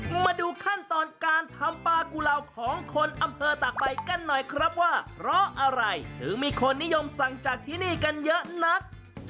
มาดูขั้นตอนการทำปลากุเหล่าของคนอำเภอตากใบกันหน่อยครับว่าเพราะอะไรถึงมีคนนิยมสั่งจากที่นี่กันเยอะนัก